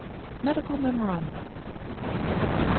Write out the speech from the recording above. MEDICAL MEMORANDA. 2689.